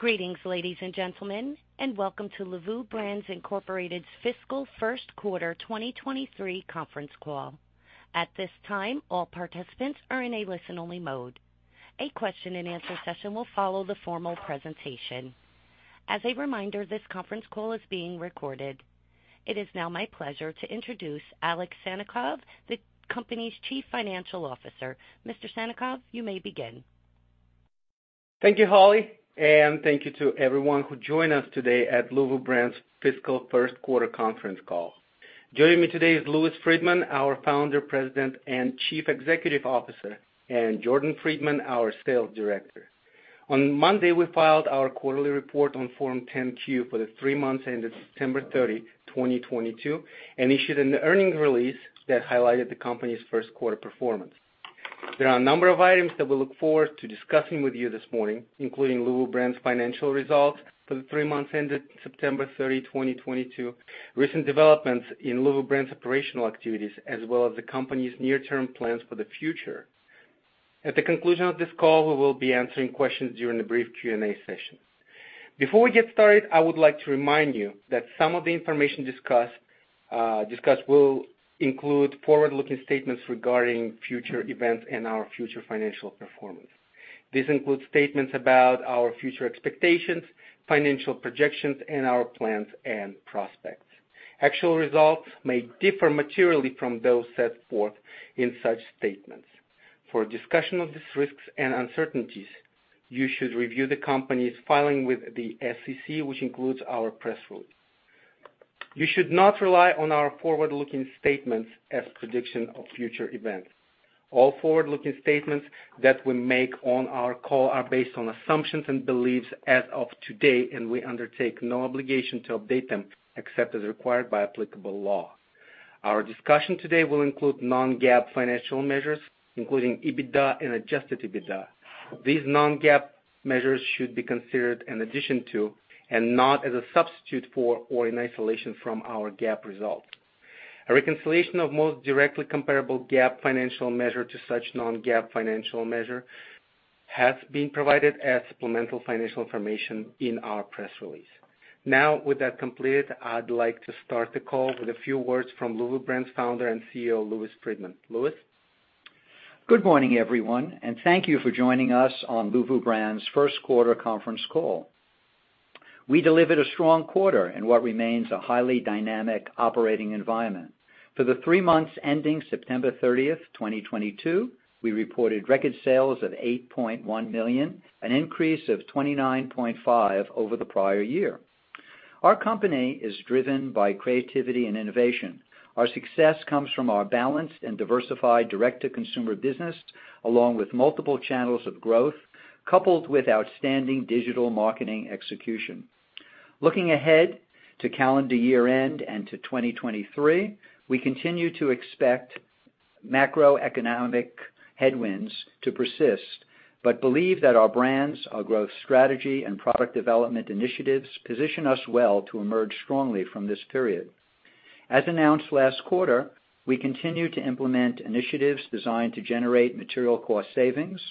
Greetings, ladies and gentlemen, and welcome to Luvu Brands Incorporated's fiscal first quarter 2023 conference call. At this time, all participants are in a listen-only mode. A question-and-answer session will follow the formal presentation. As a reminder, this conference call is being recorded. It is now my pleasure to introduce Alexander Sannikov, the company's Chief Financial Officer. Mr. Sannikov, you may begin. Thank you, Holly, and thank you to everyone who joined us today at Luvu Brands' fiscal first quarter conference call. Joining me today is Louis Friedman, our Founder, President, and Chief Executive Officer, and Jordan Friedman, our Sales Director. On Monday, we filed our quarterly report on Form 10-Q for the three months ended September 30, 2022, and issued an earnings release that highlighted the company's first quarter performance. There are a number of items that we look forward to discussing with you this morning, including Luvu Brands' financial results for the three months ended September 30, 2022, recent developments in Luvu Brands' operational activities, as well as the company's near-term plans for the future. At the conclusion of this call, we will be answering questions during a brief Q&A session. Before we get started, I would like to remind you that some of the information discussed will include forward-looking statements regarding future events and our future financial performance. This includes statements about our future expectations, financial projections, and our plans and prospects. Actual results may differ materially from those set forth in such statements. For a discussion of these risks and uncertainties, you should review the company's filing with the SEC, which includes our press release. You should not rely on our forward-looking statements as prediction of future events. All forward-looking statements that we make on our call are based on assumptions and beliefs as of today, and we undertake no obligation to update them except as required by applicable law. Our discussion today will include non-GAAP financial measures, including EBITDA and Adjusted EBITDA. These non-GAAP measures should be considered in addition to and not as a substitute for or in isolation from our GAAP results. A reconciliation of most directly comparable GAAP financial measure to such non-GAAP financial measure has been provided as supplemental financial information in our press release. Now, with that complete, I'd like to start the call with a few words from Luvu Brands Founder and CEO Louis Friedman. Louis. Good morning, everyone, and thank you for joining us on Luvu Brands' first quarter conference call. We delivered a strong quarter in what remains a highly dynamic operating environment. For the three months ending September thirtieth, twenty twenty-two, we reported record sales of eight point one million, an increase of twenty-nine point five over the prior year. Our company is driven by creativity and innovation. Our success comes from our balanced and diversified direct-to-consumer business, along with multiple channels of growth, coupled with outstanding digital marketing execution. Looking ahead to calendar year-end and to twenty twenty-three, we continue to expect macroeconomic headwinds to persist but believe that our brands, our growth strategy, and product development initiatives position us well to emerge strongly from this period. As announced last quarter, we continue to implement initiatives designed to generate material cost savings,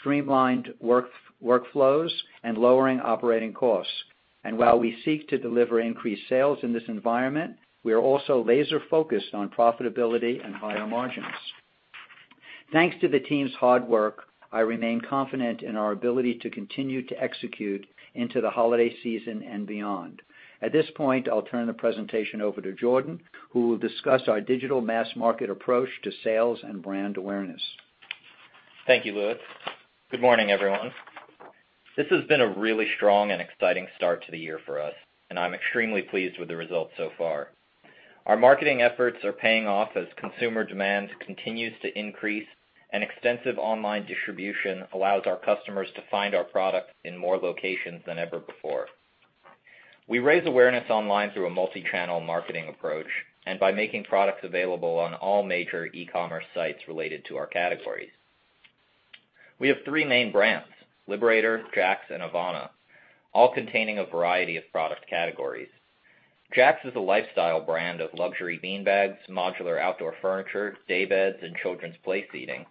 streamlined work, workflows, and lowering operating costs. While we seek to deliver increased sales in this environment, we are also laser-focused on profitability and higher margins. Thanks to the team's hard work, I remain confident in our ability to continue to execute into the holiday season and beyond. At this point, I'll turn the presentation over to Jordan, who will discuss our digital mass market approach to sales and brand awareness. Thank you, Louis. Good morning, everyone. This has been a really strong and exciting start to the year for us, and I'm extremely pleased with the results so far. Our marketing efforts are paying off as consumer demand continues to increase, and extensive online distribution allows our customers to find our products in more locations than ever before. We raise awareness online through a multi-channel marketing approach and by making products available on all major e-commerce sites related to our categories. We have three main brands, Liberator, Jaxx, and Avana, all containing a variety of product categories. Jaxx is a lifestyle brand of luxury beanbags, modular outdoor furniture, daybeds, and children's play seating.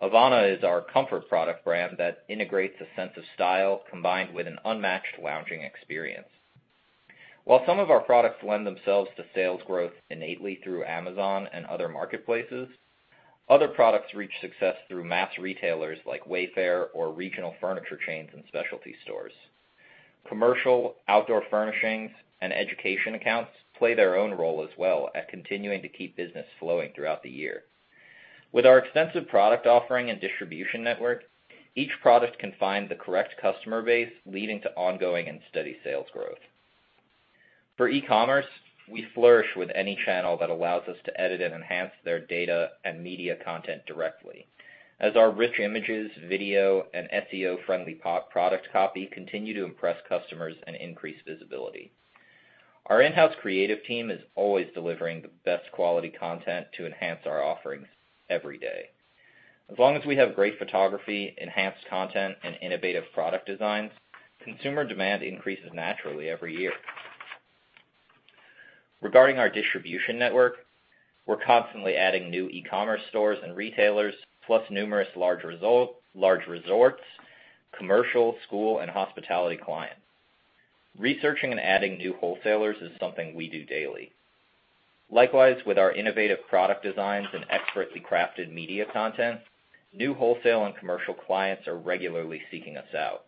Avana is our comfort product brand that integrates a sense of style combined with an unmatched lounging experience. While some of our products lend themselves to sales growth innately through Amazon and other marketplaces, other products reach success through mass retailers like Wayfair or regional furniture chains and specialty stores. Commercial outdoor furnishings and education accounts play their own role as well at continuing to keep business flowing throughout the year. With our extensive product offering and distribution network, each product can find the correct customer base, leading to ongoing and steady sales growth. For e-commerce, we flourish with any channel that allows us to edit and enhance their data and media content directly, as our rich images, video, and SEO-friendly pop product copy continue to impress customers and increase visibility. Our in-house creative team is always delivering the best quality content to enhance our offerings every day. As long as we have great photography, enhanced content, and innovative product designs, consumer demand increases naturally every year. Regarding our distribution network, we're constantly adding new e-commerce stores and retailers, plus numerous large resorts, commercial, school, and hospitality clients. Researching and adding new wholesalers is something we do daily. Likewise, with our innovative product designs and expertly crafted media content, new wholesale and commercial clients are regularly seeking us out.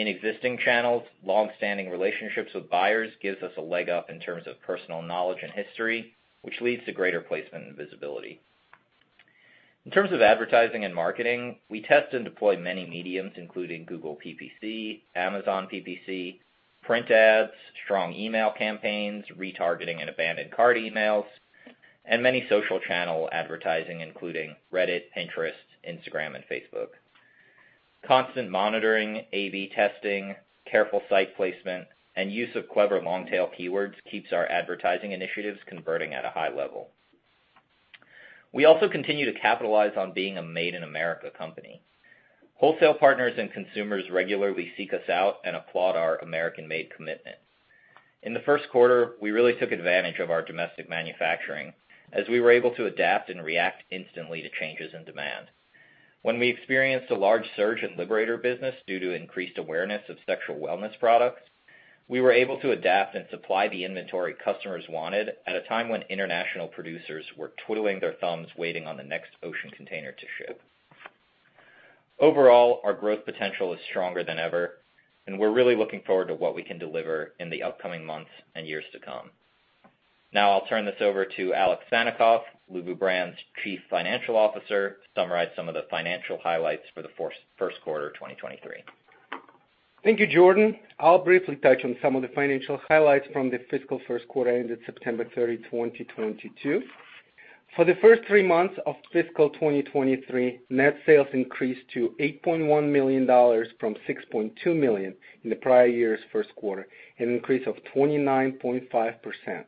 In existing channels, long-standing relationships with buyers gives us a leg up in terms of personal knowledge and history, which leads to greater placement and visibility. In terms of advertising and marketing, we test and deploy many mediums, including Google PPC, Amazon PPC, print ads, strong email campaigns, retargeting and abandoned cart emails, and many social channel advertising, including Reddit, Pinterest, Instagram, and Facebook. Constant monitoring, A/B testing, careful site placement, and use of clever long-tail keywords keeps our advertising initiatives converting at a high level. We also continue to capitalize on being a Made in America company. Wholesale partners and consumers regularly seek us out and applaud our American made commitment. In the first quarter, we really took advantage of our domestic manufacturing as we were able to adapt and react instantly to changes in demand. When we experienced a large surge in Liberator business due to increased awareness of sexual wellness products, we were able to adapt and supply the inventory customers wanted at a time when international producers were twiddling their thumbs, waiting on the next ocean container to ship. Overall, our growth potential is stronger than ever, and we're really looking forward to what we can deliver in the upcoming months and years to come. Now I'll turn this over to Alexander Sannikov, Luvu Brands Chief Financial Officer, to summarize some of the financial highlights for the first quarter, 2023. Thank you, Jordan. I'll briefly touch on some of the financial highlights from the fiscal first quarter ended September 30, 2022. For the first three months of fiscal 2023, net sales increased to $8.1 million from $6.2 million in the prior year's first quarter, an increase of 29.5%.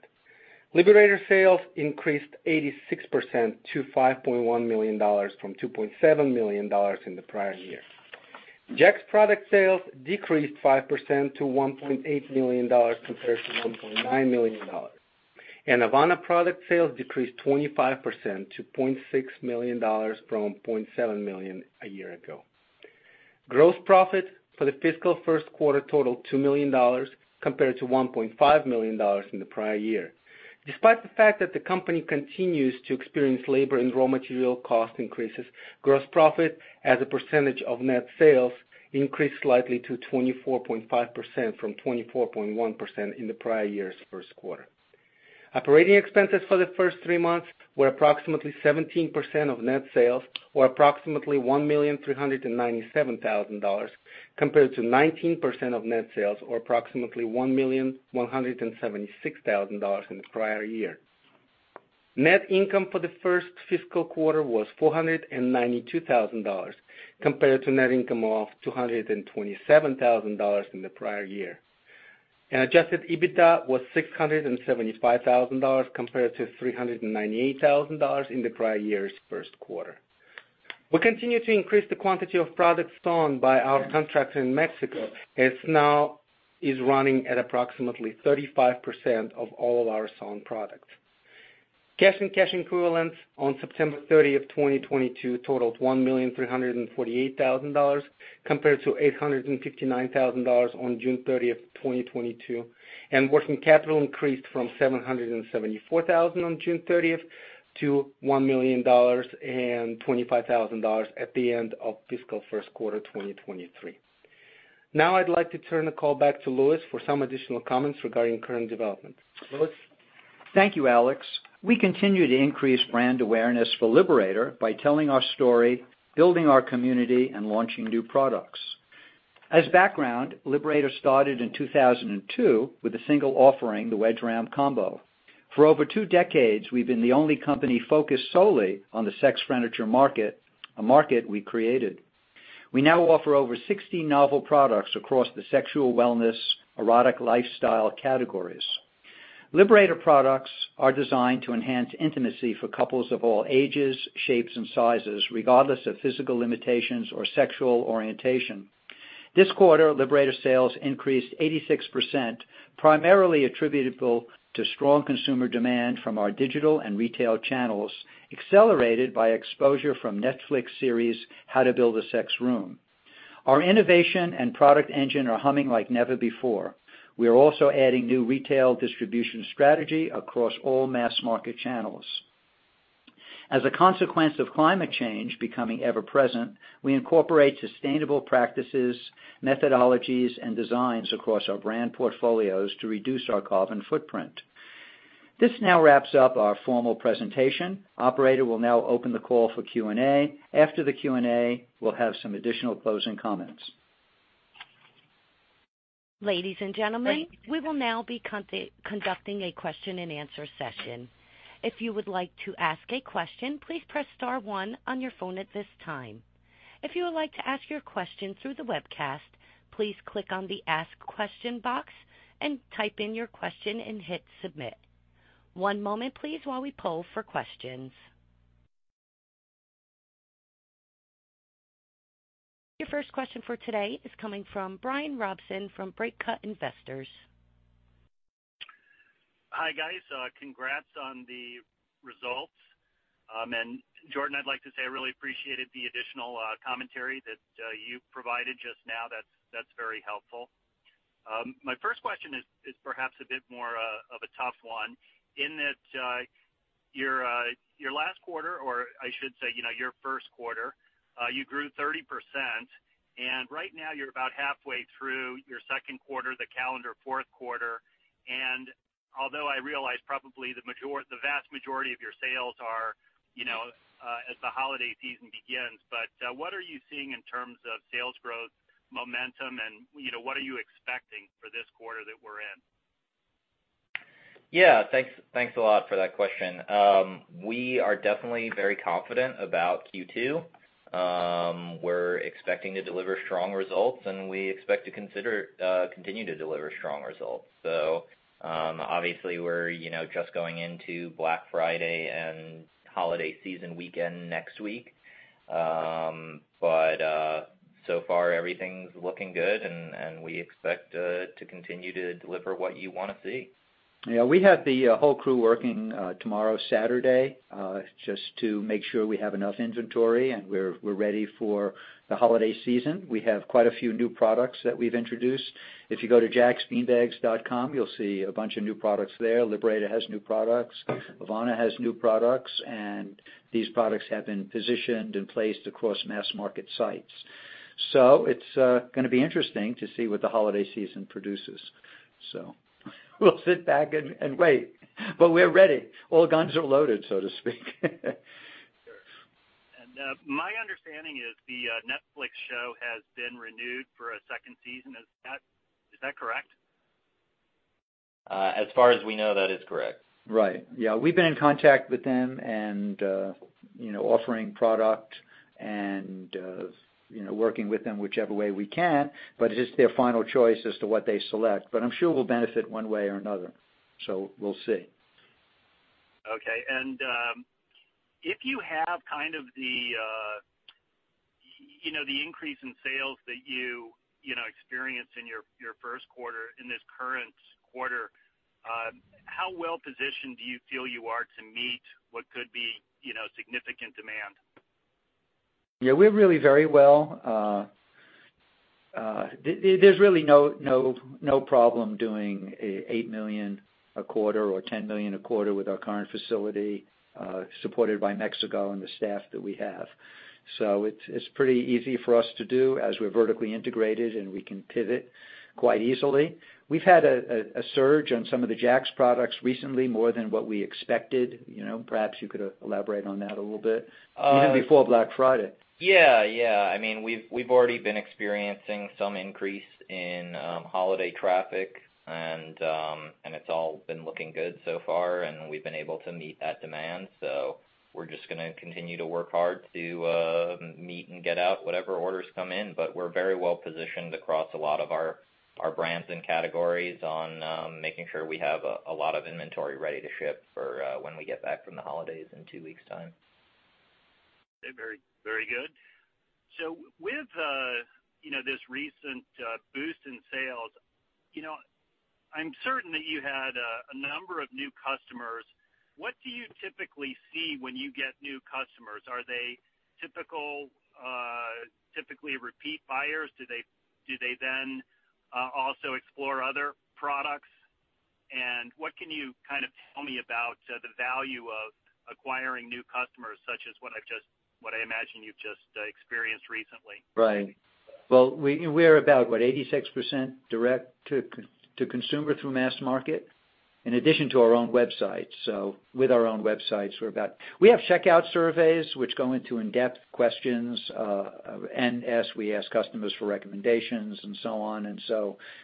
Liberator sales increased 86% to $5.1 million from $2.7 million in the prior year. Jaxx product sales decreased 5% to $1.8 million compared to $1.9 million. Avana product sales decreased 25% to $0.6 million from $0.7 million a year ago. Gross profit for the fiscal first quarter totaled $2 million, compared to $1.5 million in the prior year. Despite the fact that the company continues to experience labor and raw material cost increases, gross profit as a percentage of net sales increased slightly to 24.5% from 24.1% in the prior year's first quarter. Operating expenses for the first three months were approximately 17% of net sales, or approximately $1,397 thousand, compared to 19% of net sales, or approximately $1,176 thousand in the prior year. Net income for the first fiscal quarter was $492 thousand compared to net income of $227 thousand in the prior year. Adjusted EBITDA was $675 thousand compared to $398 thousand in the prior year's first quarter. We continue to increase the quantity of products sewn by our contractor in Mexico, as now is running at approximately 35% of all our sewn products. Cash and cash equivalents on September 30 of 2022 totaled $1,348,000, compared to $859,000 on June 30th, 2022. Working capital increased from $774,000 on June 30th to $1,025,000 at the end of fiscal first quarter 2023. Now I'd like to turn the call back to Louis for some additional comments regarding current developments. Louis? Thank you, Alex. We continue to increase brand awareness for Liberator by telling our story, building our community, and launching new products. As background, Liberator started in 2002 with a single offering, the Wedge/Ramp Combo. For over two decades, we've been the only company focused solely on the sex furniture market, a market we created. We now offer over 60 novel products across the sexual wellness, erotic lifestyle categories. Liberator products are designed to enhance intimacy for couples of all ages, shapes, and sizes, regardless of physical limitations or sexual orientation. This quarter, Liberator sales increased 86%, primarily attributable to strong consumer demand from our digital and retail channels, accelerated by exposure from Netflix series How to Build a Sex Room. Our innovation and product engine are humming like never before. We are also adding new retail distribution strategy across all mass-market channels. As a consequence of climate change becoming ever present, we incorporate sustainable practices, methodologies, and designs across our brand portfolios to reduce our carbon footprint. This now wraps up our formal presentation. Operator will now open the call for Q&A. After the Q&A, we'll have some additional closing comments. Ladies and gentlemen, we will now be conducting a question and answer session. If you would like to ask a question, please press star one on your phone at this time. If you would like to ask your question through the webcast, please click on the Ask Question box and type in your question and hit Submit. One moment, please, while we poll for questions. Your first question for today is coming from Brian Robson from Breakout Investors. Hi, guys. Congrats on the results. Jordan, I'd like to say I really appreciated the additional commentary that you provided just now. That's very helpful. My first question is perhaps a bit more of a tough one in that your last quarter, or I should say, you know, your first quarter, you grew 30%. Right now you're about halfway through your second quarter, the calendar fourth quarter. Although I realize probably the vast majority of your sales are, you know, as the holiday season begins, but what are you seeing in terms of sales growth, momentum, and, you know, what are you expecting for this quarter that we're in? Yeah. Thanks a lot for that question. We are definitely very confident about Q2. We're expecting to deliver strong results, and we expect to continue to deliver strong results. Obviously we're, you know, just going into Black Friday and holiday season weekend next week. So far everything's looking good, and we expect to continue to deliver what you wanna see. Yeah. We have the whole crew working tomorrow, Saturday, just to make sure we have enough inventory and we're ready for the holiday season. We have quite a few new products that we've introduced. If you go to jaxxliving.com, you'll see a bunch of new products there. Liberator has new products, Avana has new products, and these products have been positioned and placed across mass market sites. It's gonna be interesting to see what the holiday season produces. We'll sit back and wait, but we're ready. All guns are loaded, so to speak. Sure. My understanding is the Netflix show has been renewed for a second season. Is that correct? As far as we know, that is correct. Right. Yeah. We've been in contact with them and, you know, offering product and, you know, working with them whichever way we can, but it's their final choice as to what they select. I'm sure we'll benefit one way or another, so we'll see. Okay. If you have kind of the, you know, the increase in sales that you know, experienced in your first quarter in this current quarter, how well-positioned do you feel you are to meet what could be, you know, significant demand? Yeah. We're really very well. There's really no problem doing $8 million a quarter or $10 million a quarter with our current facility, supported by Mexico and the staff that we have. It's pretty easy for us to do as we're vertically integrated, and we can pivot quite easily. We've had a surge on some of the Jaxx products recently, more than what we expected. You know, perhaps you could elaborate on that a little bit. Uh- Even before Black Friday. Yeah, yeah. I mean, we've already been experiencing some increase in holiday traffic, and it's all been looking good so far, and we've been able to meet that demand. We're just gonna continue to work hard to meet and get out whatever orders come in. We're very well positioned across a lot of our brands and categories on making sure we have a lot of inventory ready to ship for when we get back from the holidays in two weeks time. Very, very good. With, you know, this recent boost in sales, you know, I'm certain that you had a number of new customers. What do you typically see when you get new customers? Are they typically repeat buyers? Do they then also explore other products? What can you kind of tell me about the value of acquiring new customers such as what I imagine you've just experienced recently? Right. Well, we're about, what, 86% direct-to-consumer through mass market in addition to our own website. With our own websites, we have checkout surveys which go into in-depth questions, and we ask customers for recommendations and so on.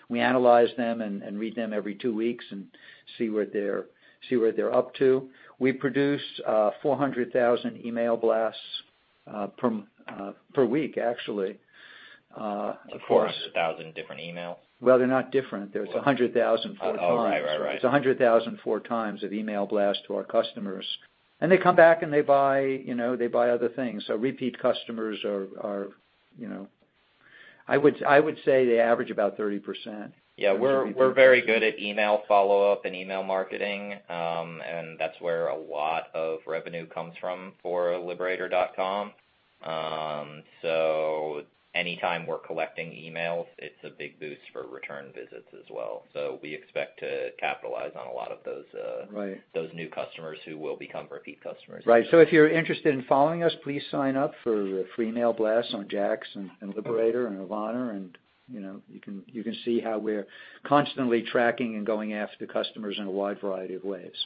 We analyze them and read them every two weeks and see where they're up to. We produce 400,000 email blasts per week, actually, of course. 400,000 different emails? Well, they're not different. Well- There's a $100 thousand four times. Oh. Right. It's a 100,000 four times of email blast to our customers. They come back, and they buy, you know, other things. Repeat customers are, you know, I would say they average about 30%. Yeah. We're very good at email follow-up and email marketing. That's where a lot of revenue comes from for Liberator.com. Anytime we're collecting emails, it's a big boost for return visits as well. We expect to capitalize on a lot of those. Right Those new customers who will become repeat customers. Right. So if you're interested in following us, please sign up for the free mail blast on Jaxx and Liberator and Avana, and, you know, you can, you can see how we're constantly tracking and going after customers in a wide variety of ways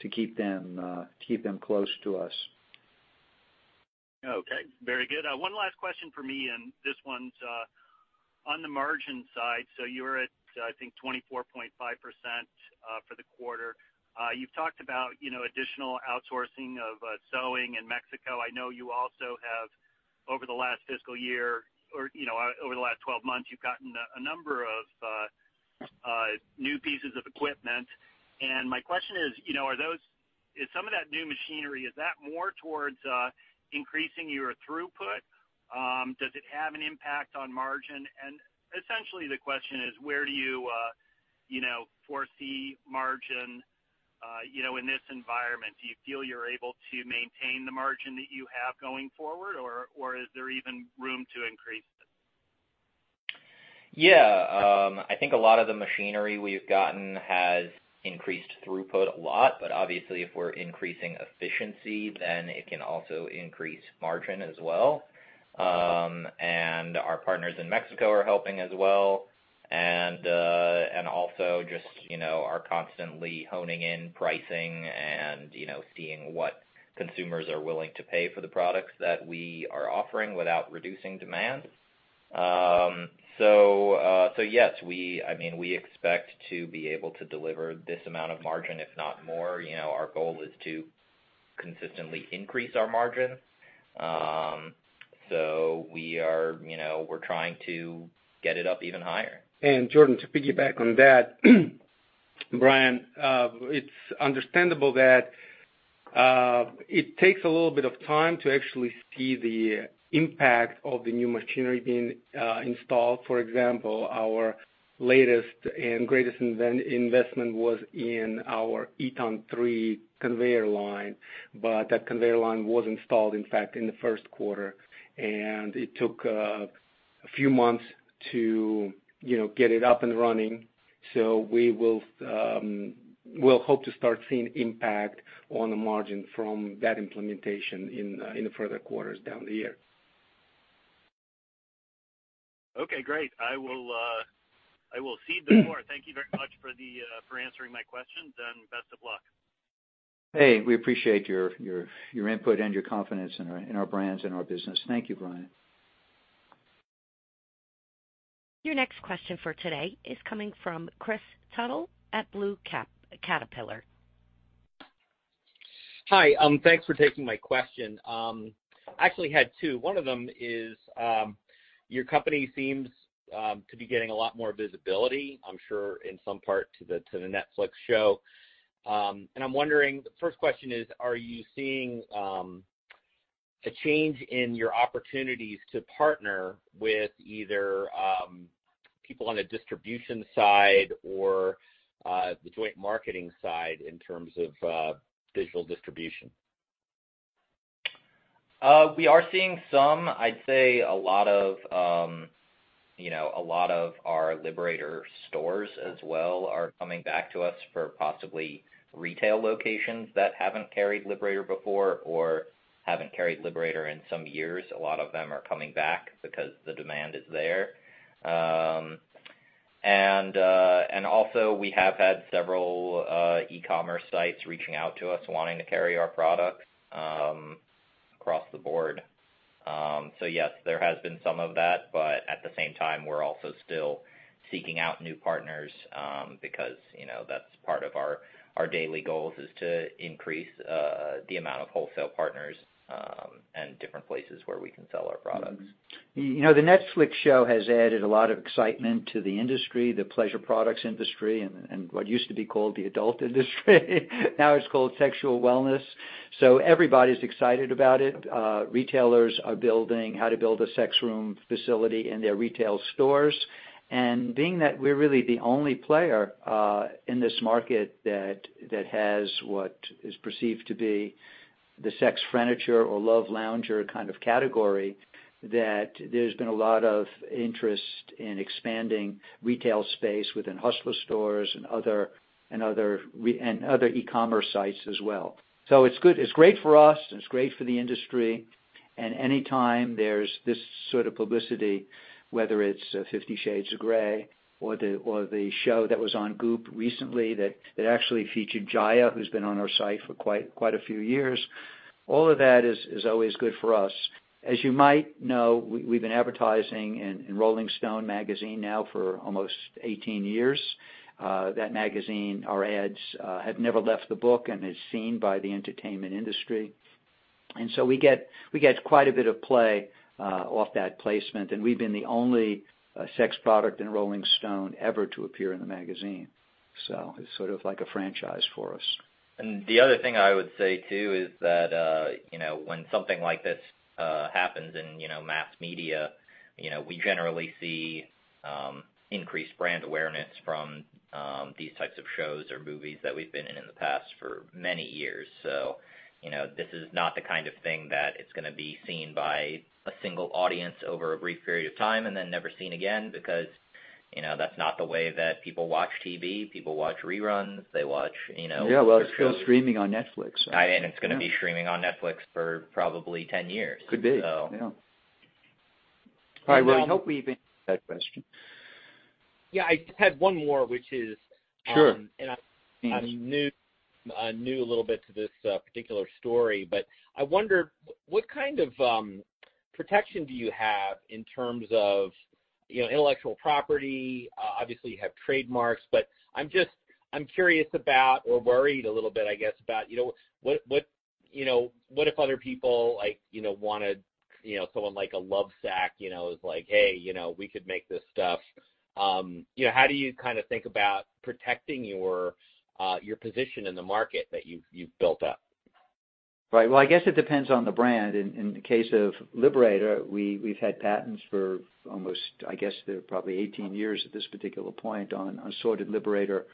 to keep them, uh, keep them close to us. Okay. Very good. One last question for me, and this one's on the margin side. You're at, I think, 24.5% for the quarter. You've talked about, you know, additional outsourcing of sewing in Mexico. I know you also have over the last fiscal year or, you know, over the last 12 months, you've gotten a number of new pieces of equipment. My question is, you know, is some of that new machinery, is that more towards increasing your throughput? Does it have an impact on margin? Essentially, the question is, where do you know, foresee margin, you know, in this environment? Do you feel you're able to maintain the margin that you have going forward, or is there even room to increase it? Yeah, I think a lot of the machinery we've gotten has increased throughput a lot. Obviously, if we're increasing efficiency, then it can also increase margin as well. Our partners in Mexico are helping as well. Also just, you know, are constantly honing in pricing and, you know, seeing what consumers are willing to pay for the products that we are offering without reducing demand. Yes, I mean, we expect to be able to deliver this amount of margin, if not more. You know, our goal is to consistently increase our margin. You know, we're trying to get it up even higher. Jordan, to piggyback on that, Brian, it's understandable that it takes a little bit of time to actually see the impact of the new machinery being installed. For example, our latest and greatest investment was in our Eton three conveyor line, but that conveyor line was installed, in fact, in the first quarter, and it took a few months to, you know, get it up and running. We'll hope to start seeing impact on the margin from that implementation in the further quarters down the year. Okay, great. I will cede the floor. Thank you very much for answering my questions, and best of luck. Hey, we appreciate your input and your confidence in our brands and our business. Thank you, Brian. Your next question for today is coming from Kris Tuttle at Blue Caterpillar LLC. Hi, thanks for taking my question. Actually had two. One of them is your company seems to be getting a lot more visibility, I'm sure in some part to the Netflix show. I'm wondering. The first question is, are you seeing a change in your opportunities to partner with either people on the distribution side or the joint marketing side in terms of digital distribution? I'd say a lot of, you know, our Liberator stores as well are coming back to us for possibly retail locations that haven't carried Liberator before or haven't carried Liberator in some years. A lot of them are coming back because the demand is there. Also we have had several e-commerce sites reaching out to us wanting to carry our products across the board. Yes, there has been some of that, but at the same time, we're also still seeking out new partners because, you know, that's part of our daily goals, is to increase the amount of wholesale partners and different places where we can sell our products. You know, the Netflix show has added a lot of excitement to the industry, the pleasure products industry, and what used to be called the adult industry. Now it's called sexual wellness. Everybody's excited about it. Retailers are building How to Build a Sex Room facility in their retail stores. Being that we're really the only player in this market that has what is perceived to be the sex furniture or love lounger kind of category, there's been a lot of interest in expanding retail space within Hustler stores and other e-commerce sites as well. It's good. It's great for us, and it's great for the industry. Any time there's this sort of publicity, whether it's Fifty Shades of Grey or the show that was on Goop recently that actually featured Jaya, who's been on our site for quite a few years, all of that is always good for us. As you might know, we've been advertising in Rolling Stone magazine now for almost 18 years. That magazine, our ads have never left the book and is seen by the entertainment industry. We get quite a bit of play off that placement, and we've been the only sex product in Rolling Stone ever to appear in the magazine. It's sort of like a franchise for us. The other thing I would say, too, is that, you know, when something like this happens in, you know, mass media, you know, we generally see increased brand awareness from these types of shows or movies that we've been in in the past for many years. You know, this is not the kind of thing that it's gonna be seen by a single audience over a brief period of time and then never seen again, because, you know, that's not the way that people watch T.V. People watch reruns. They watch, you know. Yeah, well, it's still streaming on Netflix. It's gonna be streaming on Netflix for probably 10 years. Could be. So... Yeah. All right. Well. I hope we've answered that question. Yeah, I just had one more. Sure. I'm new a little bit to this particular story, but I wonder what kind of protection do you have in terms of, you know, intellectual property? Obviously you have trademarks, but I'm curious about or worried a little bit, I guess, about, you know, what if other people like, you know wanted, you know, someone like a Lovesac, you know, is like, "Hey, you know, we could make this stuff." You know, how do you kinda think about protecting your position in the market that you've built up? Right. Well, I guess it depends on the brand. In the case of Liberator, we've had patents for almost, I guess, probably 18 years at this particular point on assorted Liberator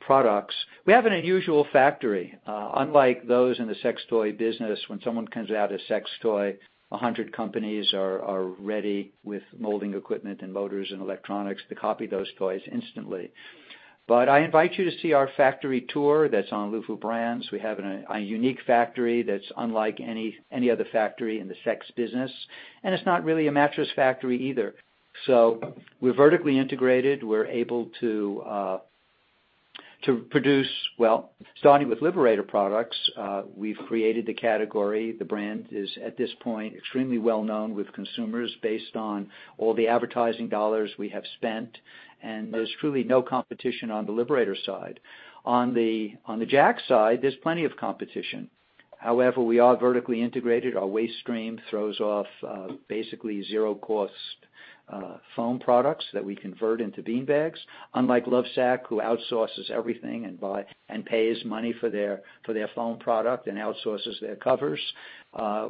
products. We have an unusual factory, unlike those in the sex toy business, when someone comes out a sex toy, 100 companies are ready with molding equipment and motors and electronics to copy those toys instantly. I invite you to see our factory tour that's on Luvu Brands. We have a unique factory that's unlike any other factory in the sex business. It's not really a mattress factory either. We're vertically integrated. We're able to produce. Well, starting with Liberator products, we've created the category. The brand is, at this point, extremely well-known with consumers based on all the advertising dollars we have spent, and there's truly no competition on the Liberator side. On the Jaxx side, there's plenty of competition. However, we are vertically integrated. Our waste stream throws off basically $0 cost foam products that we convert into beanbags. Unlike Lovesac, who outsources everything and pays money for their foam product and outsources their covers,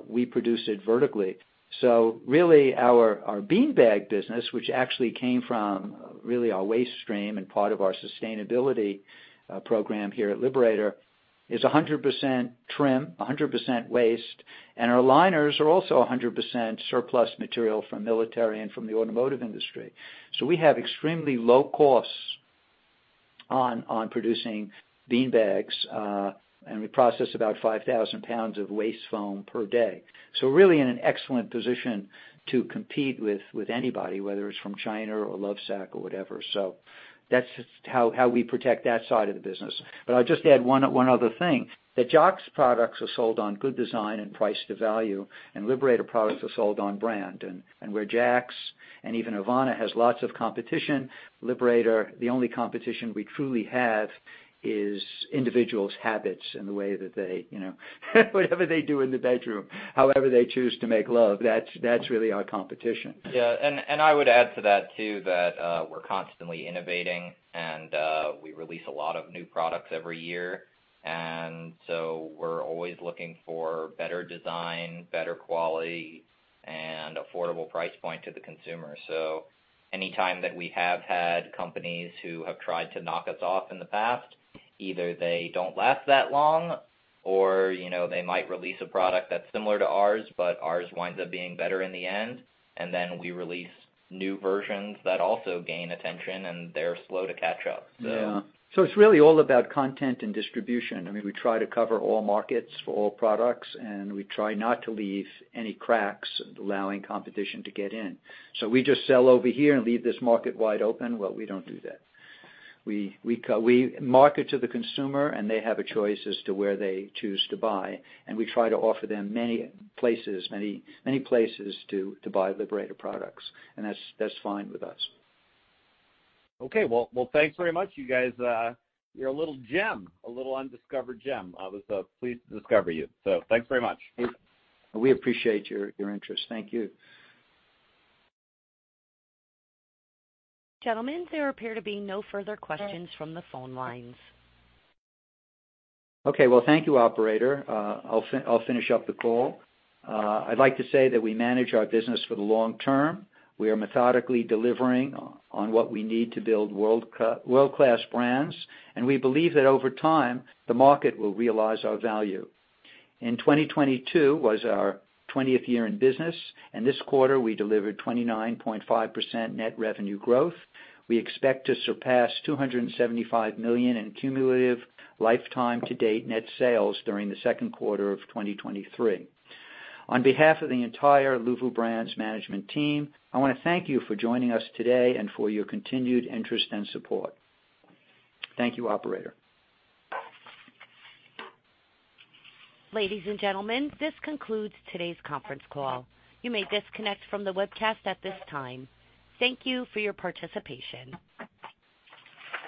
we produce it vertically. Really, our beanbag business, which actually came from really our waste stream and part of our sustainability program here at Liberator, is 100% trim, 100% waste, and our liners are also 100% surplus material from military and from the automotive industry. We have extremely low costs on producing beanbags, and we process about 5,000 lbs of waste foam per day, really in an excellent position to compete with anybody, whether it's from China or Lovesac or whatever. That's just how we protect that side of the business. I'll just add one other thing. The Jaxx products are sold on good design and price to value, and Liberator products are sold on brand. Where Jaxx and even Avana has lots of competition, Liberator, the only competition we truly have is individuals' habits and the way that they, you know, whatever they do in the bedroom, however they choose to make love, that's really our competition. Yeah. I would add to that, too, that we're constantly innovating and we release a lot of new products every year. We're always looking for better design, better quality and affordable price point to the consumer. Anytime that we have had companies who have tried to knock us off in the past, either they don't last that long or, you know, they might release a product that's similar to ours, but ours winds up being better in the end, and then we release new versions that also gain attention, and they're slow to catch up. It's really all about content and distribution. I mean, we try to cover all markets for all products, and we try not to leave any cracks allowing competition to get in. We just sell over here and leave this market wide open. Well, we don't do that. We market to the consumer, and they have a choice as to where they choose to buy, and we try to offer them many places to buy Liberator products. That's fine with us. Okay. Well, thanks very much. You guys, you're a little gem, a little undiscovered gem. I was pleased to discover you. Thanks very much. We appreciate your interest. Thank you. Gentlemen, there appear to be no further questions from the phone lines. Okay. Well, thank you, operator. I'll finish up the call. I'd like to say that we manage our business for the long term. We are methodically delivering on what we need to build world-class brands, and we believe that over time, the market will realize our value. In 2022 was our 20th year in business, and this quarter we delivered 29.5% net revenue growth. We expect to surpass $275 million in cumulative lifetime to date net sales during the second quarter of 2023. On behalf of the entire Luvu Brands management team, I wanna thank you for joining us today and for your continued interest and support. Thank you, operator. Ladies and gentlemen, this concludes today's conference call. You may disconnect from the webcast at this time. Thank you for your participation.